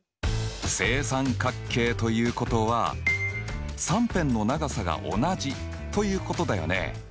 正三角形ということは３辺の長さが同じということだよね。